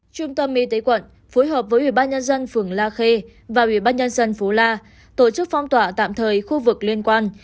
trung tâm y tế quận phối hợp với ubnd phường la khê và ubnd phố la tổ chức phong tỏa tạm thời khu vực liên quan